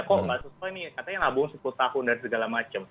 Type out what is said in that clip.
kok nggak sesuai nih katanya ngabung sepuluh tahun dan segala macem